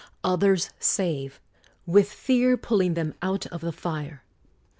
; others save, '' with fear pulling them out of the fire.